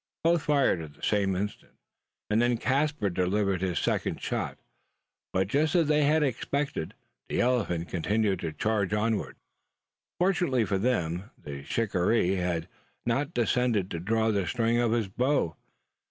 Both fired at the same instant; and then Caspar delivered his second shot; but, just as they had expected, the elephant continued to charge onward. Fortunately for them, the shikaree had not condescended to draw the string of his bow.